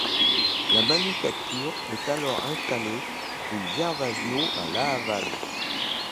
La manufacture est alors installée rue Gervasio à La Havane.